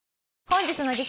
本日の激